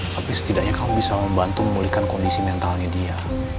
tapi setidaknya kamu bisa membantu memulihkan kondisi mentalnya dia